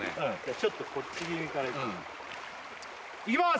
ちょっとこっちからいきます